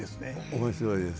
面白いです。